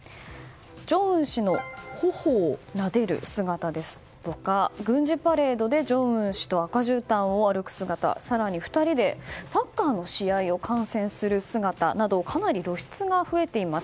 正恩氏の頬をなでる姿ですとか軍事パレードで正恩氏と赤じゅうたんを歩く姿そしてサッカーを観戦する姿などかなり露出が増えています。